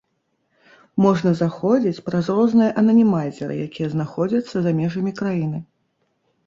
Можна заходзіць праз розныя ананімайзеры, якія знаходзяцца за межамі краіны.